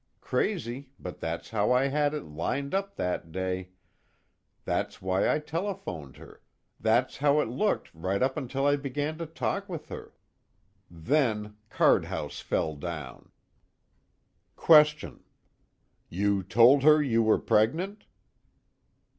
Crazy, but that's how I had it lined up that day, that's why I telephoned her, that's how it looked right up until I began to talk with her. Then card house fell down. QUESTION: You told her you were pregnant?